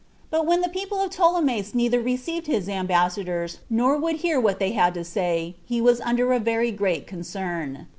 But when the people of Ptolemais neither received his ambassadors, nor would hear what they had to say, he was under a very great concern.